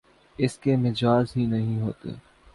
اس کے مجاز ہی نہیں ہوتے